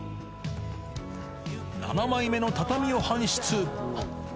７枚目の畳を搬出。